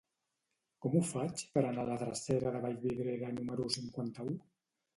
Com ho faig per anar a la drecera de Vallvidrera número cinquanta-u?